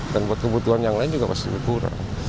dan buat kebutuhan yang lain juga pasti berkurang